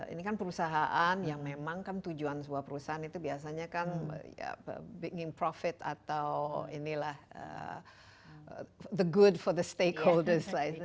ini kan perusahaan yang memang kan tujuan sebuah perusahaan itu biasanya kan bikin profit atau inilah the good for the stakeholders lah